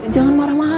jangan marah marah dong